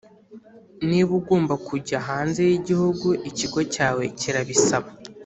Niba ugomba kujya hanze y’igihugu ikigo cyawe kirabisaba